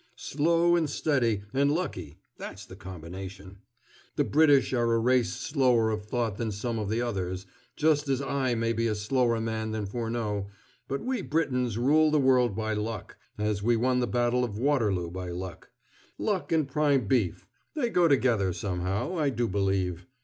Slow, and steady, and lucky that's the combination. The British are a race slower of thought than some of the others, just as I may be a slower man than Furneaux, but we Britons rule the world by luck, as we won the battle of Waterloo by luck. Luck and prime beef, they go together somehow, I do believe.